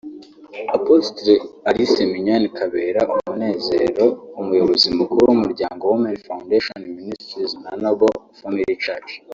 Apostle Alice Mignone Kabera Umunezero umuyobozi mukuru w'umuryango Women Foundation Ministries na Noble Family Church